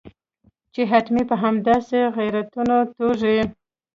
چې حتمي به همداسې غیرتونه توږي.